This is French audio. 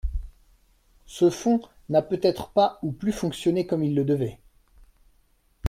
Ce fonds n’a peut-être pas ou plus fonctionné comme il le devait.